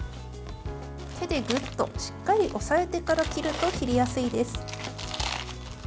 手でぐっとしっかり押さえてから切ると、切りやすいです。